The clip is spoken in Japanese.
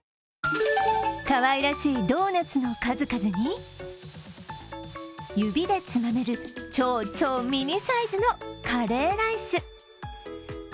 かわいらしいドーナツの数々に指でつまめる超超ミニサイズのカレーライス。